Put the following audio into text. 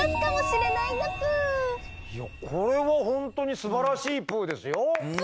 いやこれは本当にすばらしいぷですよ。